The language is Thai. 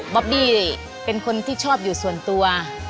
บอบบี้เป็นคนที่ชอบอยู่ส่วนตัว